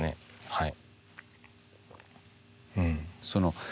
はい。